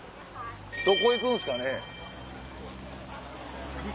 どこ行くんすかね？